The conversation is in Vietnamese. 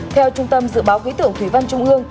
theo trung tâm dự báo quỹ tưởng thủy văn trung ương